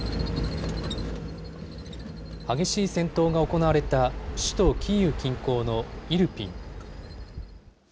激しい戦闘が行われた、首都キーウ近郊のイルピン。